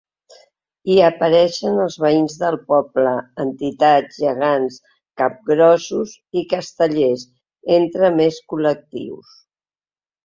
Hi apareixen els veïns del poble, entitats, gegants, capgrossos i castellers, entre més col·lectius.